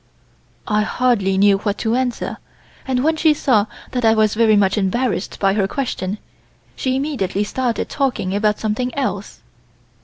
I hardly knew what to answer, and when she saw that I was very much embarrassed by her question, she immediately started talking about something else.